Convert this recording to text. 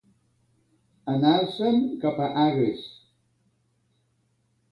Anar-se'n cap a Agres.